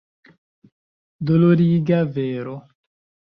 Doloriga vero!